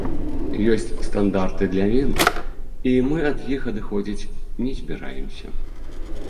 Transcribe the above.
Ёсць стандарты для він, і мы ад іх адыходзіць не збіраемся.